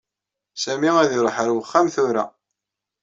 Sami ad tiṛuḥ ar uxxam tura.